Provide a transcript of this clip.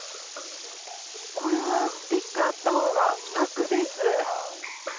これはスティックあったほうが楽です。